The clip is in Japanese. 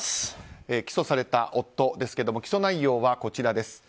起訴された夫ですが起訴内容はこちら。